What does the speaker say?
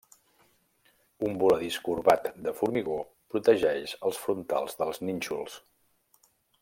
Un voladís corbat de formigó protegeix els frontals dels nínxols.